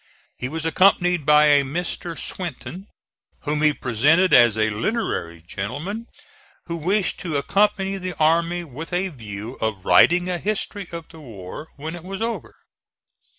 He was accompanied by a Mr. Swinton, whom he presented as a literary gentleman who wished to accompany the army with a view of writing a history of the war when it was over.